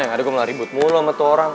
aduh gue mulai ribut mulu sama tuh orang